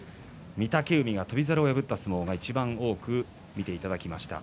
御嶽海が翔猿を破った一番をいちばん多く見ていただきました。